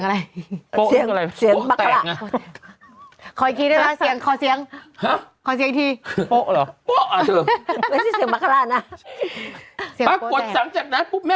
อันนี้เสียงอะไรเสียงบาคาร่า